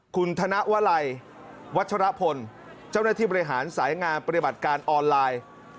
คุณธนวลัยวัชรพลเจ้าหน้าที่บริหารสายงานปฏิบัติการออนไลน์